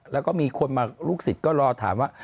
แล้วก็มีคนมาลูกศิษย์ก็รอถามว่า